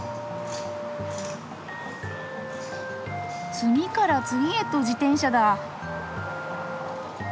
次から次へと自転車だ。